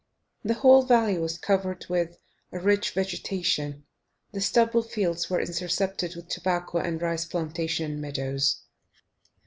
The whole valley was covered with a rich vegetation; the stubble fields were interspersed with tobacco and rice plantations, and meadows.